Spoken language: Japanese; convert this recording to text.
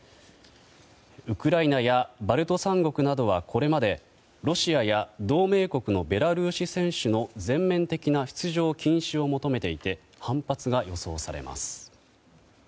ウクライナやバルト三国などはこれまでロシアや同盟国のベラルーシ選手の全面的な出場禁止を求めていて反発が予想されます。